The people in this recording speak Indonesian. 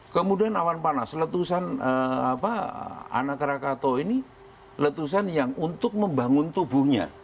kemudian awan panas letusan anak rakatau ini letusan yang untuk membangun tubuhnya